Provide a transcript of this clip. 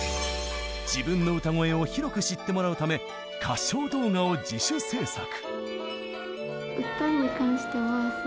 自分の歌声を広く知ってもらうため歌唱動画を自主制作。